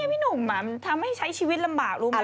พี่หนุ่มทำให้ใช้ชีวิตลำบากรู้ไหม